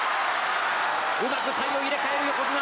うまく体を入れ替える横綱。